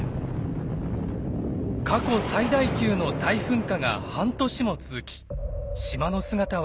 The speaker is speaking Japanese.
過去最大級の大噴火が半年も続き島の姿は一変しました。